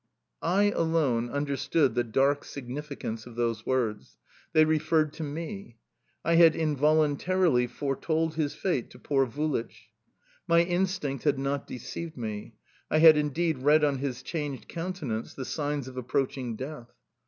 I alone understood the dark significance of those words: they referred to me. I had involuntarily foretold his fate to poor Vulich. My instinct had not deceived me; I had indeed read on his changed countenance the signs of approaching death.